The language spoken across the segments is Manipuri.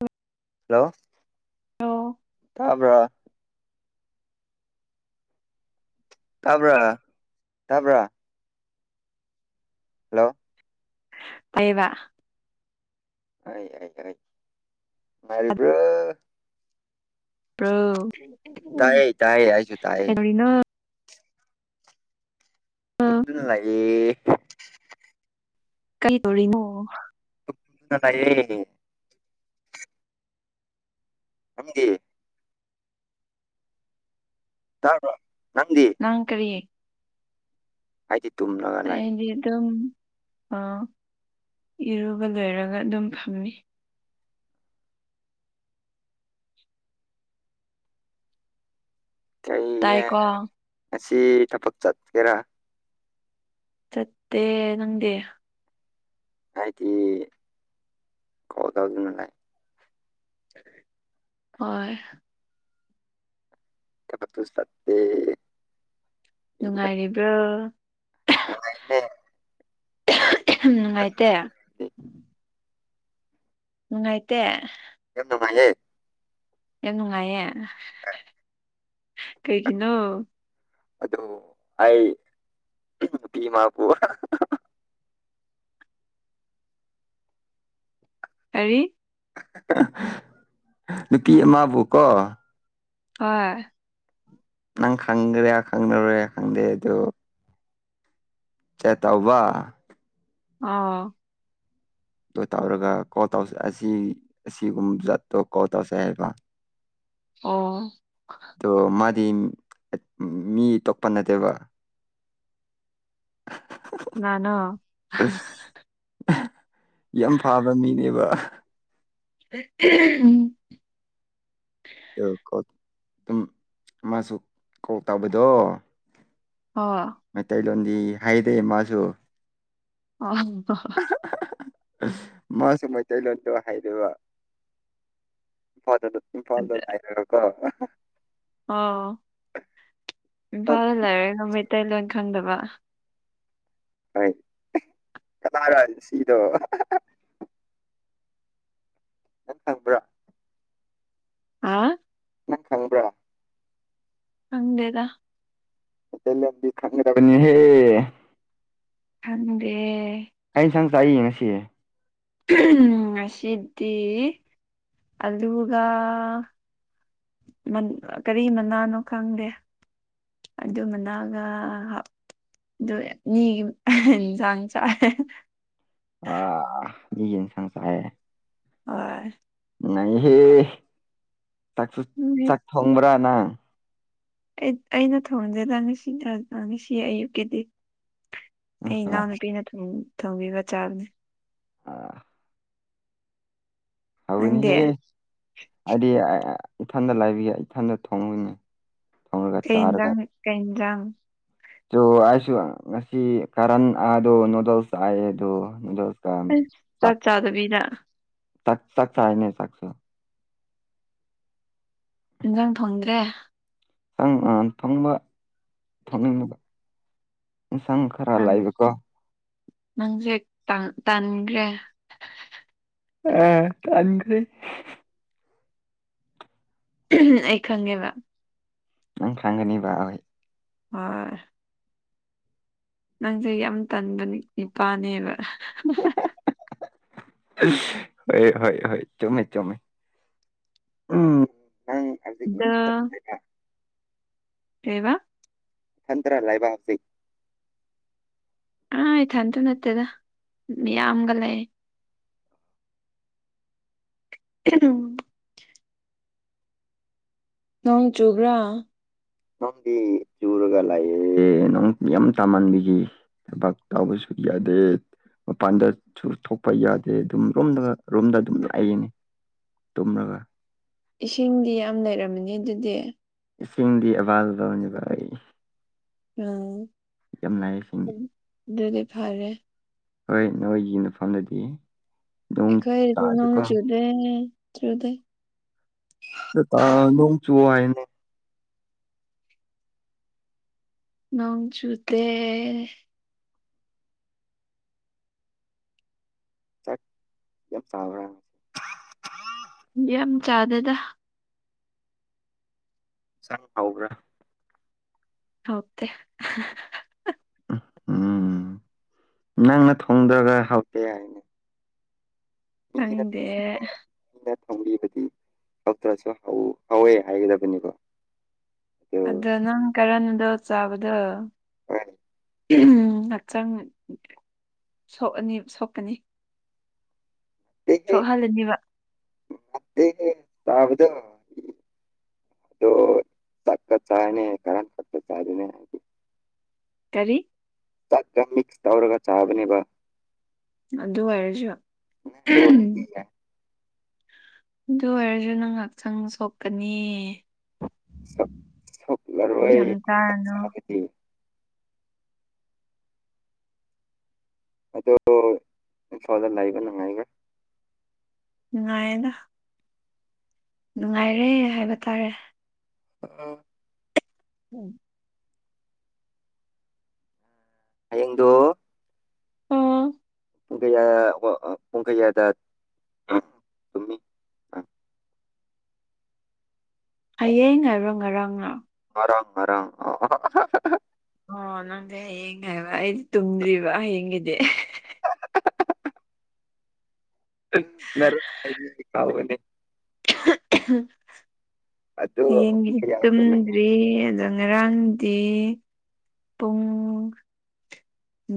ꯍꯜꯂꯣ ꯍꯜꯂꯣ ꯇꯥꯕ꯭ꯔꯥ ꯇꯥꯕ꯭ꯔꯥ ꯇꯥꯕ꯭ꯔꯥ ꯍꯜꯂꯣ ꯇꯥꯌꯦꯕ ꯑꯩ ꯑꯩ ꯑꯩ ꯅꯨꯡꯉꯥꯏꯔꯤꯕ꯭ꯔ‌ꯣ ꯄ꯭ꯔꯣ ꯇꯥꯏꯌꯦ ꯇꯥꯏꯌꯦ ꯑꯩꯖꯨ ꯇꯥꯏꯌꯦ ꯀꯔꯤꯅꯣ ꯇꯨꯝꯗꯨꯅ ꯂꯥꯛꯑꯦ ꯀꯩꯗꯧꯔꯤꯅꯣ [unintelligible] ꯅꯪꯗꯤ ꯇꯕꯔꯣ ꯅꯪꯗꯤ ꯅꯪ ꯀꯔꯤ ꯑꯩꯗꯤ ꯇꯨꯝꯂꯒꯥ ꯑꯩꯗꯤ ꯑꯗꯨꯝ ꯏꯔꯨꯕ ꯂꯣꯏꯔꯒꯥ ꯑꯗꯨꯝ ꯐꯝꯃꯤ ꯆꯩꯌꯦ ꯇꯥꯏꯀꯣ ꯉꯁꯤ ꯊꯕꯛ ꯆꯠꯀꯦꯔꯥ ꯆꯠꯇꯦ ꯅꯪꯗꯤ ꯍꯥꯢꯗꯤ ꯀꯣꯜ ꯇꯧꯗꯅꯤꯡꯉꯥꯏ ꯍꯣꯏ ꯊꯕꯛꯁꯨ ꯆꯠꯇꯦ ꯅꯨꯡꯉꯥꯏꯔꯤꯕ꯭ꯔꯣ ꯅꯨꯡꯉꯥꯏꯇ‌ꯦ ꯌꯥꯝ ꯅꯨꯡꯉꯥꯏꯇꯦ ꯅꯨꯡꯉꯥꯏꯇ‌ꯦ ꯌꯥꯝ ꯅꯨꯡꯉꯥꯏꯌ‌ꯦ ꯌꯥꯝ ꯅꯨꯡꯉꯥꯏꯌꯦ ꯍ [unintelligible] ꯀꯩꯒꯤꯅꯣ ꯑꯗꯨ ꯑꯩ ꯅꯨꯄꯤꯃꯥ ꯄꯨ ꯀꯔꯤ ꯅꯨꯄꯤ ꯑꯃꯕꯨ ꯀꯣ ꯍ‌ꯣꯏ ꯅꯪ ꯈꯪꯒ꯭ꯔꯤꯔ ꯈꯪꯂꯣꯏꯔ ꯈꯪꯗꯦ ꯑꯗꯨ ꯆꯦꯠꯇꯧꯕ ꯑꯣ ꯑꯣ ꯇꯧꯔꯒ ꯀꯣꯜ ꯇꯧ ꯑꯁꯤ ꯑꯁꯤꯒꯨꯝꯕ ꯖꯠꯇꯣ ꯀꯣꯜ ꯇꯧꯁꯩ ꯍꯥꯏꯕ ꯑꯣ ꯑꯗꯣ ꯃꯥꯗꯤ ꯃꯤ ꯇꯣꯛꯄ ꯅꯠꯇꯦꯕ ꯀꯅꯥꯅ‌ꯣ ꯑꯁ ꯌꯥꯝ ꯐꯥꯕ ꯃꯤꯅꯦꯕ ꯎꯝ ꯑꯗꯨꯝ ꯃꯥꯁꯨ ꯀꯣꯜ ꯇꯧꯕꯗꯣ ꯍꯥ ꯃꯩꯇꯩꯂꯣꯟꯗꯤ ꯍꯥꯏꯗꯦ ꯃꯥꯁꯨ ꯑꯣ ꯃꯥꯁꯨ ꯃꯩꯇꯩꯂꯣꯟꯗꯣ ꯍꯥꯏꯕ ꯏꯝꯐꯥꯜꯗ ꯑꯗꯨ ꯏꯝꯐꯥꯜꯗ ꯂꯔꯀ ꯑꯣ ꯏꯝꯐꯥꯜꯗ ꯂꯩꯔꯅ ꯃꯩꯇꯩꯂꯣꯟ ꯈꯪꯗꯕ ꯑꯩ ꯀꯅꯥꯔ ꯁꯤꯗꯣ ꯈꯪꯕ꯭ꯔꯥ ꯑ ꯅꯪ ꯈꯪꯕ꯭ꯔꯥ ꯍꯪꯗꯦꯗ ꯕꯤ ꯈꯪ꯭ꯔꯕꯅꯤ ꯍꯦ ꯈꯗꯦ ꯑꯩꯩꯅꯟꯁꯪ ꯆꯥꯛꯏ ꯉꯁꯤꯦ ꯎꯝ ꯉꯁꯤꯗꯤ‌ ꯑꯂꯨꯒ ꯀꯔꯤ ꯃꯅꯥꯅꯣ ꯈꯪꯗꯦ ꯑꯗꯨ ꯃꯅꯥꯒ ꯑꯗꯨ ꯃꯤꯒꯤ ꯏꯟꯁꯥꯡ ꯆꯥꯏ ꯑ ꯅꯤ ꯌꯦꯟꯁꯥꯡ ꯆꯥꯏꯌꯦ ꯑꯥꯏ ꯅꯩꯍꯦ ꯆꯥꯛꯁꯨ ꯎꯝ, ꯆꯥꯛ ꯊꯣꯡꯕ꯭ꯔꯥ ꯅꯪ ꯑꯩꯅ ꯊꯣꯟꯗ‌ꯦꯗ ꯉꯁꯤ ꯉꯁꯤ ꯑꯌꯨꯛꯀꯤꯗꯤ ꯑꯩ ꯏꯅꯥꯎꯅꯨꯄꯤꯅ ꯊꯣꯡꯕꯤꯕ ꯆꯥꯕꯅꯦ ꯅꯪꯗꯤ ꯍꯅꯤꯍꯦ ꯑꯩꯗꯤ ꯏꯊꯟꯗ ꯂꯥꯏꯕꯤꯒꯦ ꯏꯊꯟꯗ ꯊꯣꯡꯉꯨꯅꯦ ꯀꯩ ꯂꯥꯡ ꯀꯩ ꯂꯥꯡ ꯆꯣ ꯑꯩꯁꯨ ꯉꯁꯤ ꯀꯔꯟ ꯑꯗꯣ ꯅꯨꯗꯜꯁ ꯑ ꯑꯗꯣ ꯅꯨꯗꯜꯁ ꯑꯦꯁ ꯆꯥꯛ ꯆꯥꯗꯕꯤꯗ ꯆꯥꯛ ꯆꯥꯛꯁ ꯍꯥꯏ ꯅ ꯆꯥꯛꯁ ꯏꯟꯖꯥꯡ ꯊꯣꯡꯗ꯭ꯔꯦ ꯪ ꯊꯣꯡꯕ ꯊꯣꯡꯅꯤꯡꯕ ꯆꯪ ꯅꯪ ꯅꯪꯁꯦ ꯇꯥꯟꯈ꯭ꯔꯦ ꯑ ꯑꯅꯤ ꯀꯔꯤ ꯑꯩ ꯈꯪꯉꯦꯕ ꯅꯪ ꯊꯪꯒꯅꯤꯕ ꯑꯩꯣꯏ ꯍ ꯅꯪꯁꯦ ꯌꯥꯝ ꯇꯟꯕ ꯏꯄꯥꯅꯦꯕ ꯍꯣꯏ ꯍꯣꯏ ꯍꯣꯏ ꯆꯃꯤꯃꯦ ꯆꯃꯦ ꯎꯝ ꯀ ꯑꯗ ꯇ ꯊꯟ꯭ꯔꯂꯕꯁꯤ ꯑ ꯏꯊꯟꯇ ꯅꯠꯇꯦꯗ ꯌꯥꯝꯒ ꯂꯩ ꯀꯩꯅꯣ ꯅꯣꯡ ꯆꯨꯕ꯭ꯔꯥ ꯅꯪꯗꯤ ꯆꯔꯒꯂꯌꯦ ꯅꯪ ꯌ ꯇ ꯃꯥꯟꯕꯤꯒꯤ ꯥꯛ ꯇ ꯑꯃꯕꯁ ꯌꯥꯗꯦ ꯃꯄꯥꯟꯗꯁꯨ ꯊꯣꯛꯄ ꯌꯥꯗꯦ ꯑꯗꯨꯝ ꯔꯣꯝꯗꯒ ꯔꯣꯝꯗ ꯑꯗꯨꯝ ꯂꯥꯛꯌꯦꯅꯦ ꯇꯨꯝꯂꯒ ꯏꯁꯤꯡꯗꯤ ꯌꯥꯝ ꯂꯩꯔꯝꯃꯅꯤ ꯑꯗꯨꯗꯤ ꯏꯁꯤꯡꯗꯤ ꯑꯕꯥꯜꯗꯅꯦꯕ ꯑꯩ ꯑ ꯌꯥꯝ ꯂꯥꯏ ꯏꯁꯤꯡꯗꯤ ꯑꯗꯨꯗꯤ ꯐꯔꯦ ꯍꯣꯏ ꯅꯣꯏꯣꯏꯒꯤ ꯃꯐꯝꯗꯗꯤ ꯅꯣꯡ ꯈꯥꯏꯗꯤ ꯅꯣꯡ ꯇꯥꯗꯦꯀꯣ ꯆꯨꯗꯦ ꯆꯨꯗꯦ ꯂꯣꯡ ꯆꯨꯑꯣ ꯍꯥꯏꯅꯦ ꯅꯣꯡ ꯆꯨꯗꯦ ꯆꯥꯛ ꯌꯥꯝ ꯆꯥꯎꯥꯕ꯭ꯔ ꯌꯥꯝ ꯆꯥꯗꯗ ꯆꯪ ꯍꯕ꯭ꯔꯥ ꯍꯗꯦ ꯎ ꯎꯝ ꯅꯪꯅ ꯊꯣꯡꯗꯒ ꯍꯥꯎꯇꯦ ꯍꯥꯏ ꯀꯗꯦ ꯑꯩꯅ ꯊꯝꯕꯤꯕꯗꯤ ꯐꯇ꯭ꯔꯁꯨ ꯍꯧꯋꯦ ꯍꯥꯏꯒꯗꯕꯅꯤꯀꯣ ꯑꯗꯨ ꯑꯗꯣ ꯅꯪ ꯀꯔꯟꯗꯣ ꯆꯥꯕꯗꯣ ꯍ ꯉꯥꯛꯆꯥꯡꯣꯛꯑꯅꯤ ꯁꯣꯛꯀꯅꯤ ꯁꯣꯛꯍꯜꯂꯅꯤꯕ ꯃꯦ ꯍꯥꯎꯗꯣ ꯇꯅꯦ ꯇꯔꯤ ꯆꯠ ꯃꯤꯛꯁ ꯇꯧꯔꯒ ꯆꯥꯕꯅꯦꯕ ꯑꯗꯨ ꯑꯣꯏꯔꯁꯨ ꯑꯗꯨ ꯑꯣꯏꯔꯗꯤ ꯌꯥꯏ ꯑꯗꯨ ꯑꯣꯏꯔꯁꯨ ꯅꯪ ꯉꯥꯏꯍꯥꯛꯆꯪ ꯁꯣꯛꯀꯅꯤ ꯃꯔꯔ ꯌꯥꯝ ꯆꯥꯔꯅꯨ ꯑꯗꯣ ꯏꯝꯐꯥꯜꯗ ꯂꯩꯥꯛꯏꯕ ꯅꯉꯥꯏꯕ꯭ꯔꯥ ꯎꯅꯨꯡꯑꯅ ꯅꯨꯡꯉꯥꯏꯔꯦ ꯍꯥꯏꯕ ꯇꯥꯔꯦ ꯑꯣ ꯎꯝ ꯍꯌꯦꯡꯗꯣ ꯑꯣ ꯄꯨꯡ ꯀ ꯄꯨꯡꯈꯩ ꯌꯥꯗ ꯍꯌꯦꯡ ꯉꯔꯪ ꯉꯔꯥꯡꯅ ꯃꯔꯔꯥꯡ ꯃꯔꯔꯥꯡ ꯑꯣ ꯅꯪꯗꯤ ꯍꯌꯦꯡ ꯍꯥꯏꯕ ꯑꯩꯗꯤ ꯇꯨꯝꯗ꯭ꯔꯤꯕ ꯍꯌꯦꯡꯒꯤꯗꯤ ꯅꯔ ꯀꯥꯎꯅꯦ ꯑꯗꯣ ꯌꯦꯤ ꯄꯨꯡ ꯀꯌꯥꯗ ꯇꯨꯝꯃꯦ ꯇꯗ꯭ꯔꯤ ꯑꯗ ꯉꯔꯥꯡꯗꯤ ꯄꯨꯡ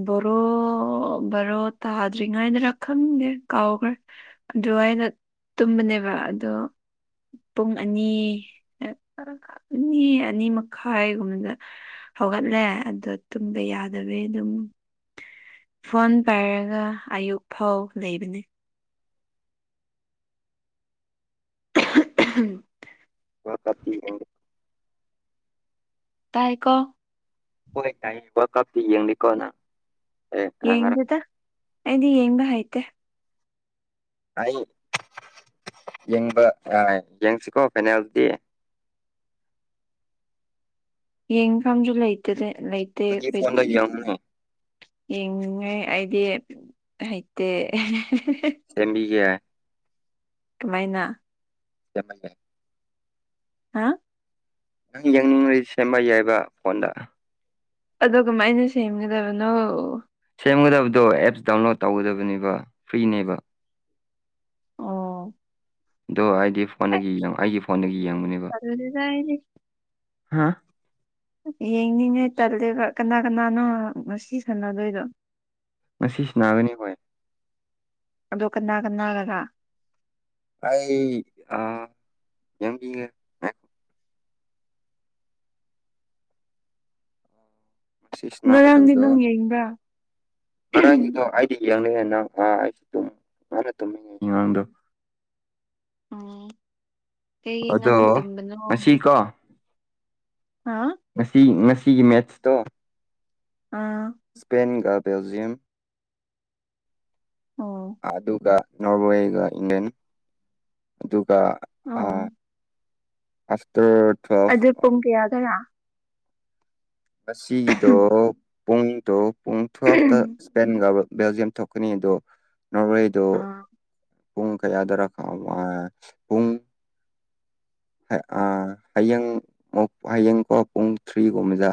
ꯔꯣ ꯔꯣ ꯇ ꯍꯥꯥꯖꯔꯤꯉ ꯏꯗ ꯔꯈꯟꯒꯦ ꯀꯥꯎꯥꯎꯒꯔ ꯑꯗꯣ ꯑꯩꯅ ꯇꯨꯝꯕꯅꯦꯕ ꯑꯗꯣ ꯄꯨꯡ ꯑꯅꯤ ꯑꯅꯤ ꯑꯅꯤ ꯃꯈꯥꯏꯒꯨꯝꯕꯗ ꯍꯧꯒꯠꯂꯦ ꯑꯣ ꯇꯨꯝꯕ ꯌꯥꯗꯕꯩ ꯑꯗꯨꯝ ꯐꯣꯟ ꯄꯥꯏꯔꯒ ꯑꯌꯨꯛ ꯐꯥꯎ ꯂꯩꯕꯅꯦ ꯎꯝ ꯑ ꯀꯇꯤꯦ ꯇꯀꯣ ꯍꯣꯏ ꯇꯥꯏ ꯋꯥ ꯀꯞꯇꯤ ꯌꯦꯡꯅꯤꯀꯣꯅ ꯑꯦ ꯉꯔꯥꯡ ꯌꯦꯡꯗꯦꯗ ꯑꯩꯗꯤ ꯌꯦꯡꯕ ꯍꯥꯏꯥꯏꯇꯦ ꯑꯩ ꯌꯦꯡꯕ ꯌꯦꯡꯁꯤꯀꯣ ꯐꯦꯅꯥꯜꯇꯗꯤ ꯌꯦꯡꯐꯝꯁꯨ ꯂꯩꯇꯦ ꯂꯩꯇꯦ ꯐꯣꯟꯗ ꯑꯩꯈꯣꯏꯗꯤ ꯌꯦꯡꯉꯨꯅꯦ ꯌꯦꯡꯅꯤꯡꯉꯥꯏ ꯑꯩꯗꯤ ꯍꯩꯇꯦ ꯁꯦꯝꯕꯤꯒꯦ ꯀꯃꯥꯏꯅ ꯦ ꯍꯥ ꯅꯪ ꯌꯦꯡꯅꯤꯡꯉꯗꯤ ꯁꯦꯝꯕ ꯌꯥꯏꯕ ꯐꯣꯟꯗ ꯑ ꯀꯃꯥꯏꯅ ꯁꯦꯝꯒꯗꯕꯅꯣ ꯁꯦꯝꯒꯗꯕꯗꯣ ꯑꯦꯞꯁ ꯗꯥꯎꯟꯂꯣꯗ ꯇꯧꯒꯗꯕꯅꯦꯕ ꯐ꯭ꯔꯤꯅꯦꯕ ꯑꯣ ꯑꯗꯣ ꯑꯩꯗꯤ ꯐꯣꯟꯗꯒꯤꯡꯉ ꯑꯩꯒꯤ ꯐꯣꯟꯗꯒꯤ ꯌꯦꯡꯕꯅꯦꯀꯣ ꯑꯗꯨꯗꯗꯤ ꯌꯥꯥꯏꯅꯦ ꯍꯥ ꯌꯦꯡꯅꯤꯡꯉꯦ ꯇꯜꯂꯦꯕ ꯀꯅꯥ ꯀꯅꯥꯅꯣ ꯉꯁꯤ ꯁꯥꯟꯅꯗꯣꯏꯗꯣ ꯉꯁꯤꯁꯤ ꯅꯥꯒꯅꯤ ꯍꯣꯏ ꯑꯗꯣ ꯀꯅꯥ ꯀꯅꯥꯒꯒ ꯑꯩ ꯑ ꯌꯦꯡ ꯀꯒ ꯁꯣ ꯉꯔꯥꯡꯗꯤ ꯅꯪ ꯌꯦꯡꯕ꯭ꯔꯥ ꯃꯔꯔ [unintelligible] ꯌꯦꯡꯗꯦ ꯅꯪ ꯑꯥ ꯑꯩꯁꯨꯨꯝ ꯃꯥꯅ ꯇꯨꯝꯃꯤꯉꯩꯉꯥꯡꯗꯣ ꯎꯝ ꯀꯩꯒꯤ ꯑꯗꯣ ꯉꯟꯅ ꯇꯨꯝꯕꯅꯣ ꯉꯁꯤꯀꯣ ꯍꯥ ꯉꯁꯤ ꯉꯁꯤꯒꯤ ꯃꯦꯠꯁꯇꯣ ꯑꯥ ꯄꯦꯟꯒꯗꯖ ꯌꯦ ꯑꯣ ꯑꯗꯨꯒ ꯅꯣꯕꯣ ꯏꯒ ꯏꯟꯦꯅ ꯑꯗꯨꯒ ꯑ ꯑꯣ ꯑꯐꯇꯔ ꯇꯋꯦꯜ ꯀꯗꯔ ꯉꯁꯤꯒꯤꯗꯣ ꯄꯨꯡꯗꯣ ꯄꯨꯡ ꯇꯨꯦꯜꯐꯇ ꯏꯁꯄꯦꯟꯒ ꯕꯦꯜꯖꯤꯌꯝ ꯊꯣꯛꯀꯅꯤ ꯑꯗꯣ ꯅꯣꯔꯋꯦꯗꯨ ꯑꯥ ꯄꯨꯡ ꯀꯌꯥꯗꯔ ꯄꯨꯡ ꯑ ꯍꯌꯦꯡ ꯍꯌꯦꯡꯀꯣ ꯄꯨꯡ ꯊ꯭ꯔꯤꯒꯨꯝ ꯃꯖꯥ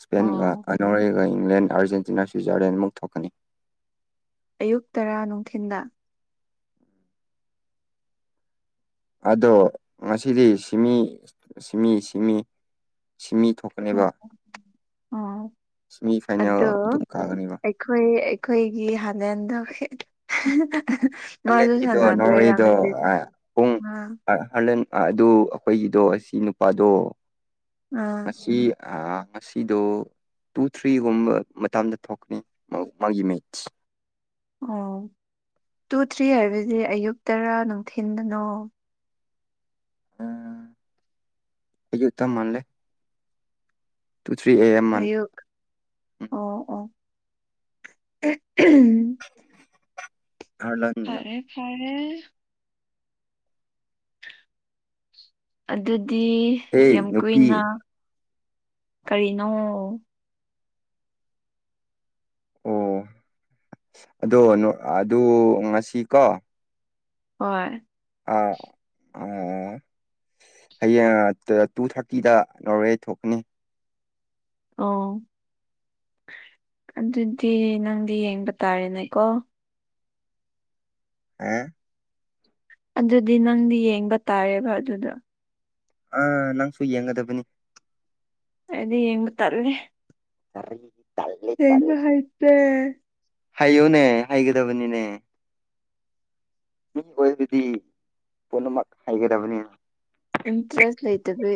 ꯏꯁꯄꯦꯟꯒ ꯑꯣ ꯑꯅꯔꯌꯥꯒ ꯏꯪꯂꯦꯟ ꯑꯥꯔꯖꯦꯟꯇꯤꯅꯥ ꯁ꯭ꯋꯤꯖꯔꯂꯦꯟ ꯑꯃꯨꯛ ꯊꯣꯛꯀꯅꯤ ꯑꯌꯨꯛ ꯇꯔꯥ ꯅꯨꯡꯊꯤꯜꯗ ꯑꯗꯣ ꯉꯁꯤꯗꯤ ꯁꯤꯃꯤ ꯁꯤꯃꯤ ꯁꯤꯃꯤ ꯁꯤꯃꯤ ꯊꯣꯛ ꯎꯝ ꯀꯀꯅꯦꯕ ꯑꯣ ꯁꯤꯦꯃꯤ ꯐꯥꯏꯅꯦꯜ ꯑꯗꯣ ꯑꯗꯨꯝ ꯀꯛꯒꯅꯦꯕ ꯑꯩꯈꯣꯏ ꯑꯩꯈꯣꯏꯒꯤ ꯍꯥꯟꯅꯦꯟꯗꯧ ꯃꯥ ꯍꯂꯦꯟꯒꯤꯗꯣ ꯑꯗꯨꯁꯅꯗ ꯑ ꯍꯂꯦꯟ ꯑꯗꯨ ꯑꯩꯈꯣꯏꯒꯤꯗꯣ ꯑꯁꯤ ꯅꯨꯄꯥꯗꯣ ꯑꯥ ꯉ ꯉꯁꯤꯗꯣ ꯇꯨ ꯊ꯭ꯔꯤꯒꯨꯝꯕ ꯃꯇꯝꯗ ꯊꯣꯛꯀꯅꯤ ꯃꯥꯒꯤꯃꯦꯠꯁ ꯑꯣ ꯇꯨ ꯊ꯭ꯔꯤ ꯍꯥꯏꯕꯗꯤ ꯑꯌꯨꯛ ꯇꯔꯥ ꯅꯨꯡꯊꯤꯤꯟꯗꯅꯣ ꯍꯖꯤꯨ ꯇ ꯃꯟꯂꯦ ꯇꯨ ꯊ꯭ꯔꯤ ꯑꯦ ꯑꯦꯝ ꯃꯥꯜꯂꯦ ꯍꯥꯏꯌꯛ ꯎꯝ ꯑꯣ ꯑꯣ [unintelligible] ꯐꯔꯦ ꯐꯔꯦ ꯑꯗꯨꯗꯤ ꯍꯦ ꯌꯥꯝ ꯀꯨꯏꯅ ꯅꯨꯄꯤ ꯀꯔꯤꯅꯣ ꯑꯣ ꯑꯗꯣ ꯑꯗꯨ ꯉꯁꯤ ꯀꯣ ꯍꯣꯏ ꯑꯥ ꯍꯌꯦꯡ ꯇꯨ ꯊꯥꯔꯇꯤꯗ ꯅꯣꯔꯋꯦ ꯊꯣꯛꯀꯅꯤ ꯑꯣ ꯑꯗꯨꯗꯤ ꯅꯪꯗꯤ ꯌꯦꯡꯕ ꯇꯥꯔꯦꯅꯦꯀꯣ ꯑ ꯑꯗꯨꯗꯤ ꯅꯪꯗꯤ ꯌꯦꯡꯕ ꯇꯥꯔꯦꯕ ꯑꯗꯨꯗꯣ ꯑꯥ ꯅꯪꯁꯨ ꯌꯦꯡꯒꯗꯕꯅꯤ ꯑꯗꯨꯗ ꯌꯦꯡꯒ ꯇꯜꯦ ꯁꯔ ꯍꯡ ꯍꯥꯏꯥꯏꯇꯦ ꯍꯥꯏꯌꯨꯅꯦ ꯍꯩꯒꯗꯕꯅꯤꯅꯦ ꯃꯤ ꯑꯣꯏꯕꯗꯤ ꯄꯨꯝꯅꯃꯛ ꯍꯩꯒꯗꯕꯅꯤꯅ ꯏꯟꯇ꯭ꯔꯦꯁ ꯂꯩꯇꯕ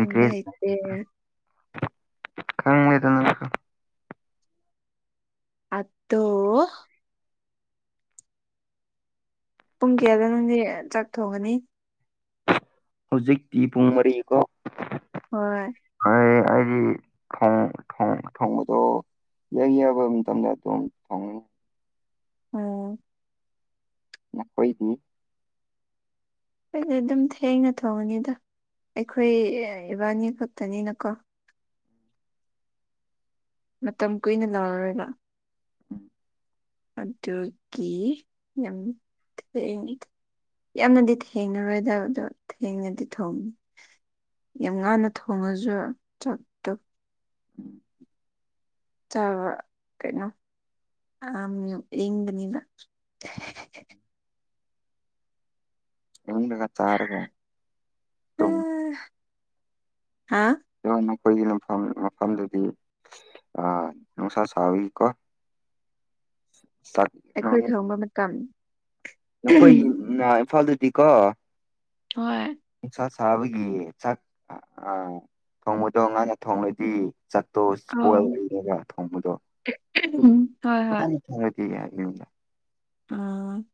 ꯏꯟꯇ꯭ꯔꯦꯁ ꯍꯥꯏꯇꯦ ꯈꯪꯉꯦꯗ ꯅꯪꯁꯨ ꯑꯠꯇꯣ ꯄꯨꯡ ꯀꯌꯥꯗ ꯅꯪꯗꯤ ꯆꯥꯛ ꯊꯣꯡꯒꯅꯤ ꯍꯧꯖꯤꯛꯇꯤ ꯄꯨꯡ ꯃꯔꯤ ꯀꯣ ꯍꯣꯏ ꯍ ꯑꯩꯗꯤ ꯊꯣꯡ ꯊ ꯊꯣꯡꯕꯗꯣ ꯌꯥꯏ ꯌꯥꯕ ꯃꯇꯝꯗ ꯑꯗꯨꯝ ꯐꯪꯒꯅꯤ ꯑꯣꯝ ꯅ ꯍꯣꯏꯗꯅꯤ ꯑꯩꯗꯤ ꯑꯗꯨꯝ ꯊꯦꯡꯅ ꯊꯣꯡꯉꯅꯤꯗ ꯑꯩꯈꯣꯏ ꯏꯕꯥꯅꯤ ꯈꯛꯇꯅꯤꯅꯀꯣ ꯃꯇꯝ ꯀꯨꯏꯅ ꯂꯥꯎꯔꯔꯣꯏꯔ ꯎꯝ ꯑꯗꯨꯒꯤ ꯌꯥꯝꯅꯤ ꯌꯥꯝꯅꯗꯤ ꯊꯦꯡꯅꯔꯣꯏꯗꯕꯗꯣ ꯊꯦꯡꯅꯗꯤ ꯊꯣꯡꯉ ꯌꯥꯝ ꯉꯟꯅ ꯊꯣꯡꯉꯁꯨ ꯆꯥꯛꯇꯣ ꯀꯩꯅꯣ ꯑ ꯏꯪꯕꯅꯤꯅ ꯏ ꯀꯠꯇꯥꯔꯒ ꯑ ꯍꯥ ꯏ ꯑꯩꯈꯣꯏꯒꯤꯐꯝ ꯃꯐꯝꯗꯨꯗꯤ ꯑ ꯅꯨꯡꯁꯥ ꯁ꯭ꯋꯥꯕꯤꯀ ꯑꯩꯈꯣꯏ ꯈꯪꯕ ꯃꯇꯝ ꯅꯈꯣꯏ ꯏꯝꯐꯥꯜꯗꯨꯗꯤ ꯀꯣ ꯍꯣꯏ ꯁꯥ ꯁꯥꯕꯒꯤ ꯆꯥꯛ ꯊꯣꯡꯕꯗꯣ ꯉꯅ ꯊꯣꯡꯂꯗꯤ ꯆꯠꯇꯣ ꯑꯧ ꯄꯣꯜꯏꯅꯦꯕ ꯊꯣꯡꯕꯗꯣ ꯎꯝ ꯍꯣꯏ ꯍꯣꯏ ꯍꯗꯤꯒꯗ ꯑ